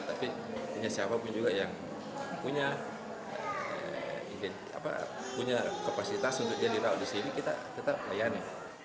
tapi punya siapapun juga yang punya kapasitas untuk dia dirawat di sini kita tetap layani